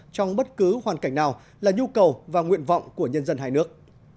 trong bất cứ hoàn cảnh nào là nhu cầu và nguyện vọng của nhân dân hai nước